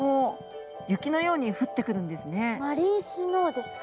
マリンスノーですか？